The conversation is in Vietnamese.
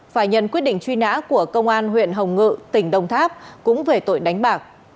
phải nhận quyết định truy nã của công an huyện hồng ngự tỉnh đồng tháp cũng về tội đánh bạc